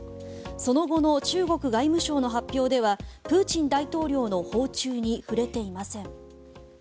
その後の中国外務省の発表ではプーチン大統領の訪中に触れていません。